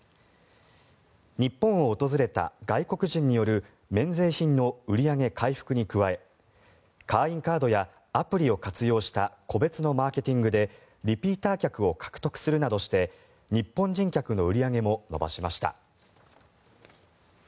日本を訪れた外国人による免税品の売り上げ回復に加え会員カードやアプリを活用した個別のマーケティングでリピーター客を獲得するなどして日本人客の売り上げも伸ばしました。